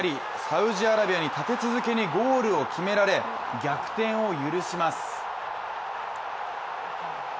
サウジアラビアに立て続けにゴールを決められ、逆転を許します。